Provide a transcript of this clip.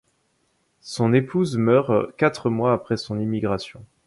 Son épouse meurt quatre mois après son immigration.